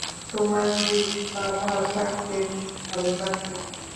তোমার কি বাঁধা থাকতে ভালো লাগে?